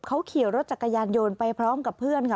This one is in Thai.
เขาขี่รถจักรยานยนต์ไปพร้อมกับเพื่อนค่ะ